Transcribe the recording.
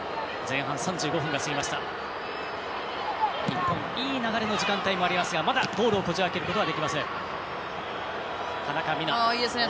日本いい流れの時間帯もありますがまだゴールをこじ開けることはできません。